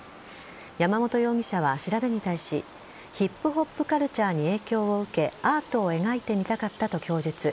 山本容疑者は調べに対しヒップホップカルチャーに影響を受けアートを描いてみたかったと供述。